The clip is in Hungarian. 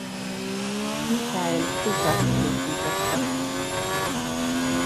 Michael Krupat készítette.